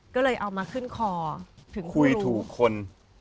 ก็เลยเอามาขึ้นคอคุยถูกคน